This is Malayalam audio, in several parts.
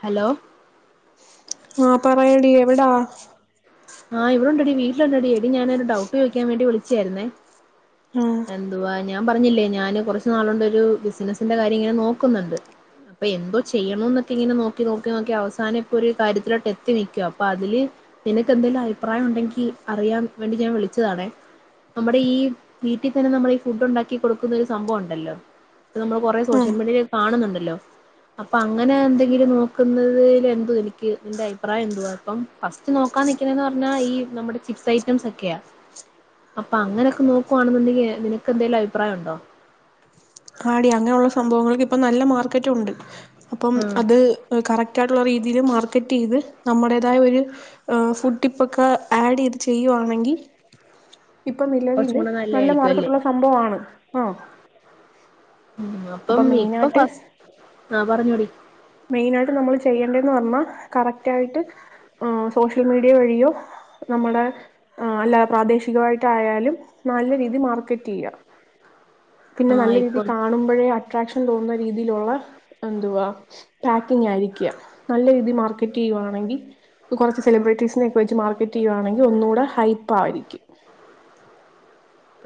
ഹലോ ആഹ് പറയടി എവിടാ ആ, ഇവിടൊണ്ടടി വീട്ടിലുണ്ടടി, എടി ഞാനൊരു ഡൗട്ട് ചോദിക്കാൻ വേണ്ടി വിളിച്ചയായിരുന്നേ ആഹ് എന്തുവാ ഇനി ഞാൻ പറഞ്ഞില്ലേ ഞാൻ കുറച്ച് നാളുകൊണ്ട് ഒരു ബിസിനസ്സിന്റെ കാര്യം ഇങ്ങനെ നോക്കുന്നുണ്ട്, അപ്പൊ എന്തോ ചെയ്യണംഎന്നൊക്കെ ഇങ്ങനെ നോക്കി നോക്കി നോക്കി അവസാനം ഇപ്പൊ ഒരു കാര്യത്തിലോട്ട് എത്തി നിക്കുവാ അപ്പൊ അതില് നിനക്ക് ക്കെന്തെലും അഭിപ്രായം ഉണ്ടെങ്കിൽ അറിയാൻ വേണ്ടി ഞാൻ വിളിച്ചതാണെ, നമ്മുടെ ഈ വീട്ടിൽ തന്നെ നമ്മൾ ഈ ഫുഡ് ഉണ്ടാക്കി കൊടുക്കുന്ന ഒരു സംഭവം ഉണ്ടല്ലോ, നമ്മൾ കൊറെ ആഹ് സോഷ്യൽ മീഡിയ കാണുന്നുണ്ടല്ലോ അപ്പൊ അങ്ങനെ എന്തെങ്കിലും നോക്കുന്നതിൽ എന്താ നിനക്ക് നിന്റെ അഭിപ്രായം എന്തുവാ, ഇപ്പം ഫസ്റ്റ് നോ നോക്കാ നിക്കുന്നന്ന് പറഞ്ഞാ ഈ നമ്മുടെ ചിപ്സ് ഐറ്റംസ് ഒക്കെയാ, അപ്പൊ അങ്ങനെയൊക്കെ നോക്കുവാണെന്നുണ്ടെങ്കിൽ നിനക്ക് എന്തെലും അഭിപ്രായം ഉണ്ടോ? ആടി അങ്ങനെയുള്ള സംഭവങ്ങൾക്ക് ഇപ്പൊ നല്ല മാർക്കറ്റ് ഉണ്ട്. അപ്പം ഉം അത് കറക്റ്റ് ആയിട്ട ള്ള രീതില് മാർക്കറ്റ് ചെയ്ത് നമ്മുടേതായ ഒരു ഫുഡ് ടിപ്പൊക്കെ ആഡ് ചെയ്ത് ചെയ്യുവാണെങ്കി ഇപ്പൊ കുറച്ചും നിലവില് കൂടെ നല്ല നല്ലയായിരിക്കും അല്ലേ മാർക്കറ്റുള്ള സംഭവാണ്, ആ ഉം, അപ്പം ഇപ്പൊ മെയിനായിട്ട് ഫസ് ആ പറഞ്ഞോടി മെയിൻ ആയിട്ട് നമ്മൾ ചെയ്യേണ്ടേന്ന് പറഞ്ഞാ കറക്റ്റ് ആയിട്ട് ഉം സോഷ്യൽ മീഡിയ വഴിയോ, നമ്മുടെ അല്ലാതെ പ്രാദേശികമായിട്ട് ആയാലും നല്ല രീതില് മാർക്കറ്റ് ചെയ്യുക. പിന്നെ ആ നല്ല രീതി ഇപ്പം കാണുമ്പോഴേ അട്രാക്ഷൻ തോന്നുന്ന രീതിയിലുള്ള എന്തുവാ പാക്കിങ് ആയിരിക്കാ നല്ല രീതി മാർക്കറ്റ് ചെയ്യുവാണെങ്കിൽ കുറച്ച് സെലിബ്രിറ്റീസ് നെയൊക്ക് വെച്ച് മാർക്കറ്റ് ചെയ്യുവാണെങ്കിൽ ഒന്ന് കൂടെ ഹൈപ്പ് ആയിരിക്കും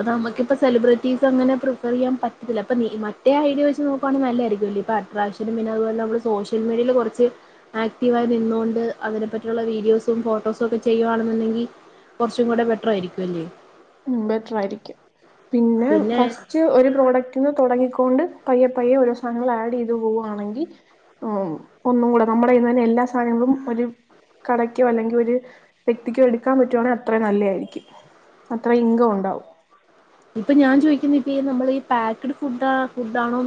അതാ നമ്മക്കിപ്പ സെലിബ്രിറ്റീസ് അങ്ങനെ പ്രിഫർ ചെയ്യാൻ പറ്റത്തില്ല പ്പം മറ്റേ ഐഡിയ വെച്ച് നോക്കുവാണെിൽ നല്ലായിരിക്കുംല്ലേ ഇപ്പൊ അട്രാക്ഷനും പിന്നെ അതുപോലെ നമ്മള് സോഷ്യൽ മീഡിയൽ കുറച്ച് ആക്റ്റീവ ആയി നിന്നോണ്ട് അതിനെ പറ്റിയുള്ള വീഡിയോസും ഫോട്ടോസും ഒക്കെ ചെയ്യുവാണെന്നുണ്ടെങ്കിൽ കുറച്ചും കൂടെ ബെറ്റർ ആയിരിക്കുല്ലേ ഉം ബെറ്റർ ആയിരിക്കും പിന്നെ ഫസ്റ്റ് ഒരു പ്രോഡക്റ്റന്ന് തുടങ്ങി കൊണ്ട് പയ്യെ പയ്യെ ഓരോ സാധനങ്ങൾ ആഡ് ചെയ്ത് പോവുവാണെങ്കിൽ ഈമ് ഒന്നും കൂടെ നമ്മുടെന്ന് തന്നെ എല്ലാ സാധനങ്ങളും ഒരു കടക്കോ അല്ലെങ്കിൽ ഒരു വ്യക്തിക്കോ എടുക്കാൻ പറ്റുവാണെ അത്രയും നല്ലതായിരിക്കും അത്ര ഇൻകം ഉണ്ടാവും ഇപ്പൊ ഞാൻ ചോദിക്ക [unintelligible] നമ്മൾ ഈ പക്ക്ഡ് ഫുഡാ ഫുഡാണോ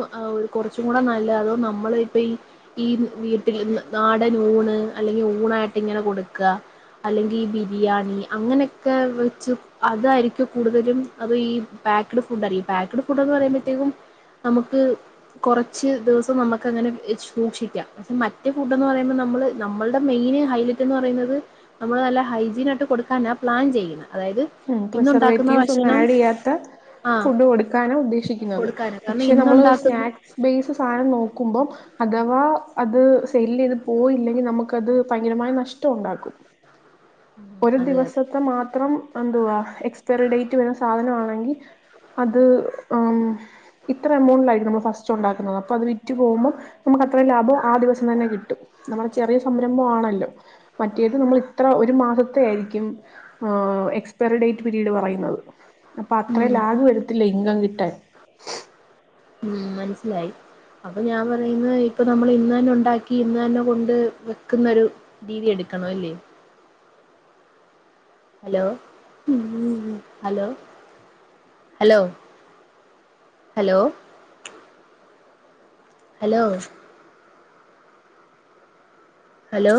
കുറച്ചും കൂടെ നല്ലത് അതോ നമ്മൾ ഇപ്പ ഈ വീട്ടിൽ നാടൻ ഊണ് അല്ലെങ്കിൽ ഊണായിട്ട് ഇങ്ങനെ കൊടുക്കുക അല്ലെങ്കിൽ ഈ ബിരിയാണി അങ്ങനെയൊക്കെ വെച്ച് അതായിരിക്കും കൂടുതലും അത് ഈ പാക്കഡ് ഫുഡ് അറിയ പാക്ക്ഡ് ഫുഡ് എന്ന് പറയുമ്പോഴത്തേക്കും നമുക്ക് കുറച്ച് ദിവസം നമുക്ക് അങ്ങനെ സൂക്ഷിക്കാം പക്ഷെ മറ്റേ ഫുഡ് എന്ന് പറയുമ്പോ നമ്മൾ നമ്മളുടെ മെയിൻ ഹൈലെറ്റ് എന്ന് പറയുന്നത് നമ്മൾ നല്ല ഹൈജീൻായിട്ട് കൊടുക്കൻ ആ പ്ലാൻ ചെയ്യുന്നത് അതായത് ഇന്നുണ്ടാക്കുന്ന സെർവേറ്റീവ്സ് ഒന്നും ഭക്ഷണം ആഡ് ചെയ്യാത്ത ആഹ് ഫുഡ് കൊടുക്കാനാ ഉദ്ദേശിക്കുന്നത് കൊടുക്കാന് കാരണം പക്ഷേ നമ്മൾ ഇന്നുണ്ടാക്കുന്ന സ്നാക്സ് ബേസ് സാധനം നോക്കുമ്പോൾ അഥവാ അത് സെല്ല് ചെയ്ത് പോയില്ലെങ്കിൽ നമുക്കത് ഭയങ്കരമായി നഷ്ടം ഉണ്ടാക്കും ഒരു ഉം അതെ ദിവസത്തെ മാത്രം എന്തുവാ എക്സ്പയറി ഡേറ്റ് വരുന്ന സാധനമാണെങ്കിൽ അത് എമ് ഇത്ര എമൗണ്ടിലായിട്ട് നമ്മൾ ഫസ്റ്റ് ഉണ്ടാക്കുന്നത് അപ്പൊ അത് വിറ്റു പോകുമ്പോം നമുക്ക് അത്ര ലാഭം ആ ദിവസം തന്നെ കിട്ടും നമ്മൾ ചെറിയ സംരംഭം ആണല്ലോ മറ്റേത് നമ്മൾ ഇത്ര ഒരു മാസ [unintelligible] ഏഹ് എക്സ്പയ ഡേറ്റ് പിരീട് പറയുന്നത് അപ്പൊ അത്ര ഉം ലാഗ് വരത്തില്ല ഇൻകം കി എട്ട ഉം മനസിലായി അപ്പൊ ഞാൻ പറയുന്ന ഇപ്പൊ നമ്മൾ ഇന്ന്ന്നെ ഉണ്ടാക്കി ഇന്ന് തന്നെ കൊണ്ട് വെക്കുന്നൊ ഒരു രീതി എടുക്കണ അല്ലേ hello [unintelligible] hello hello hello hello hello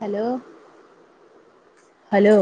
hello hello